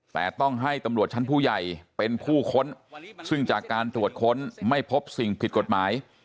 แต่ต้องให้ตำรวจชั้นผู้ใหญ่เป็นผู้ค้นซึ่งจากการตรวจค้นไม่พบสิ่งผิดกฎหมาย